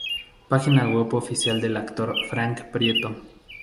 Página web oficial del actor Frank Prieto